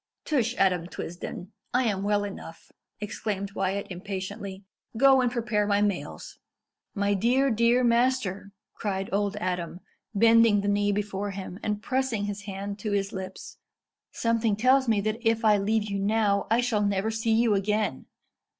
"Tush, Adam Twisden! I am well enough," exclaimed Wyat impatiently. "Go and prepare my mails." "My dear, dear master," cried old Adam, bending the knee before him, and pressing his hand to his lips; "something tells me that if I leave you now I shall never see you again.